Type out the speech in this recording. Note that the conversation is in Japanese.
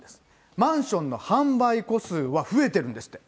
マンションの販売戸数は増えてるんですって。